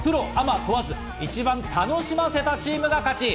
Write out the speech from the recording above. プロアマ問わず、一番楽しませたチームが勝ち。